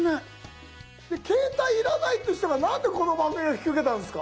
携帯要らないっていう人がなんでこの番組を引き受けたんですか？